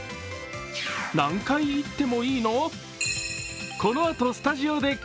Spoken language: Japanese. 何回行ってもいいの？